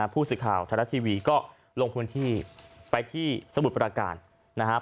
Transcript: พูดสิบทุกข่าวแทนละทีวีก็ลงทุนที่ไปที่สะบุตรปราการนะครับ